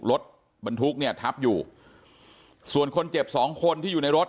รถบรรทุกทรัพย์อยู่ส่วนคนเจ็บ๒คนที่อยู่ในรถ